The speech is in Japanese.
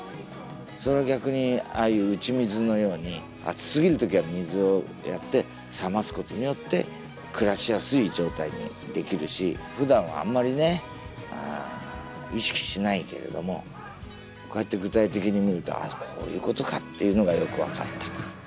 それを逆にああいう打ち水のように暑すぎる時は水をやって冷ますことによって暮らしやすい状態にできるしふだんあんまりね意識しないけれどもこうやって具体的に見るとああこういうことかっていうのがよく分かった。